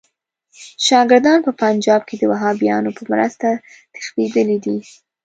چې شاګردان په پنجاب کې د وهابیانو په مرسته تښتېدلي دي.